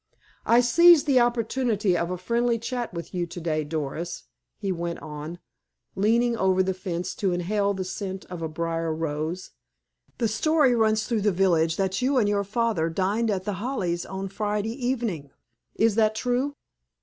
"I seized the opportunity of a friendly chat with you to day, Doris," he went on, leaning over the fence to inhale the scent of a briar rose. "The story runs through the village that you and your father dined at The Hollies on Friday evening. Is that true?"